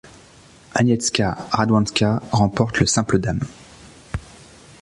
Agnieszka Radwańska remporte le simple dames.